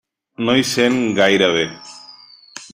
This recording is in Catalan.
No hi sent gaire bé.